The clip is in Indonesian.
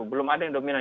belum ada yang dominan